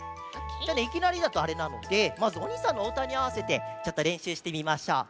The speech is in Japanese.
じゃあねいきなりだとあれなのでまずおにいさんのおうたにあわせてちょっとれんしゅうしてみましょう。